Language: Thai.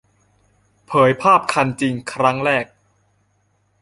เผยภาพคันจริงครั้งแรก